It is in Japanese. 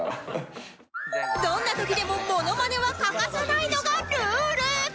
どんな時でもモノマネは欠かさないのがルール